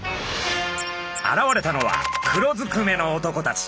現れたのは黒ずくめの男たち。